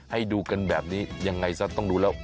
ให้ดูกันแบบนี้ยังไงซะต้องดูแล้ว